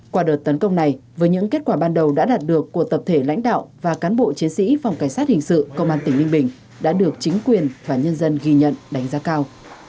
qua đợt tấn công này với những kết quả ban đầu đã đạt được của tập thể lãnh đạo và cán bộ chiến sĩ phòng cảnh sát hình sự công an tỉnh ninh bình đã được chính quyền và nhân dân ghi nhận đánh giá cao